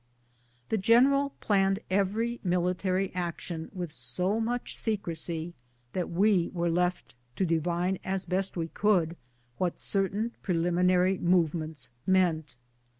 The general planned every military action with so much secrecy that we were left to divine as best we could what certain preliminary movements meant.